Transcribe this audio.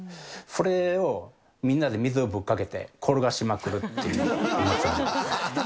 それをみんなで水をぶっかけて、転がしまくるっていうお祭りです。